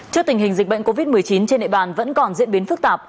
trước tình hình dịch bệnh covid một mươi chín trên địa bàn vẫn còn diễn biến phức tạp